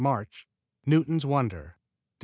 Mch. Newton Wonder Dec.